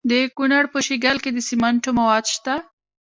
د کونړ په شیګل کې د سمنټو مواد شته.